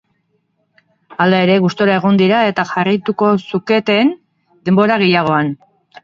Hala ere, gustura egon dira eta jarraituko zuketen denbora gehiagoan.